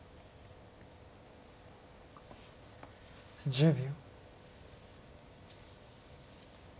１０秒。